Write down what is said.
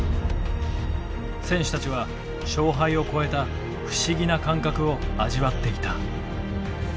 選手たちは勝敗を超えた不思議な感覚を味わっていた。